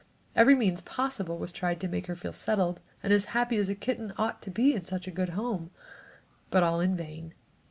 Every means possible was tried to make her feel settled and as happy as a kitten ought to be in such a good home, but all in vain.